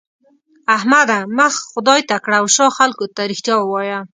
احمده! مخ خدای ته کړه او شا خلګو ته؛ رښتيا ووايه.